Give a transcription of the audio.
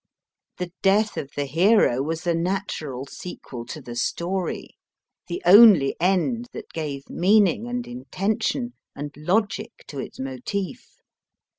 The death of the hero was the natural sequel to the story ; the only end that gave meaning, and intention, and logic to its motif.